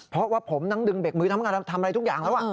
เพราะว่าผมดึงเบรกมือทำอะไรทุกอย่างแล้ว